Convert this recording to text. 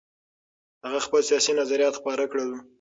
هغه خپل سیاسي نظریات خپاره کړل.